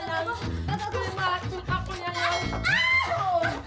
terima kasih aku yayang